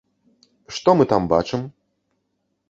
Што мы там бачым?